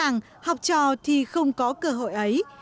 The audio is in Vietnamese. nó thì không có cơ hội ấy